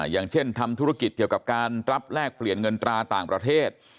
อย่างเช่นทำธุรกิจเกี่ยวกับการรับแลกเปลี่ยนเงินตราต่างประเทศ